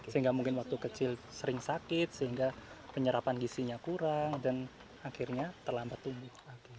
sehingga mungkin waktu kecil sering sakit sehingga penyerapan gisinya kurang dan akhirnya terlambat tumbuh